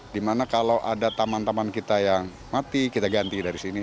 dimana kalau ada taman taman kita yang mati kita ganti dari sini